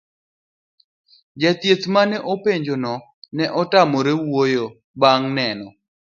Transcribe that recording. jachieth mane openj no ne otamore wuoyo bang' neno